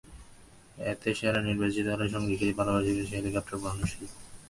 এতে সেরা নির্বাচিত হলে পাবেন সঙ্গীকে নিয়ে ভালোবাসা দিবসে হেলিকপ্টারে ভ্রমণের সুযোগ।